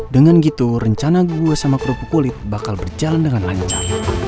dengan gitu rencana gua sama kerupuk kulit bakal berjalan dengan lancar